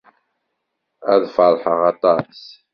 Ad ferḥeɣ aṭas!